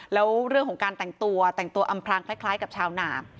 แล้วเรื่องของการแต่งตัวแต่งตัวอำพลางคล้ายกับชาวหนา